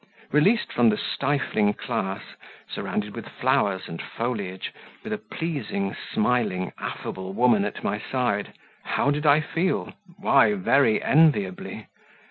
Released from the stifling class, surrounded with flowers and foliage, with a pleasing, smiling, affable woman at my side how did I feel? Why, very enviably.